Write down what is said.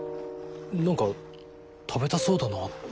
何か食べたそうだなって。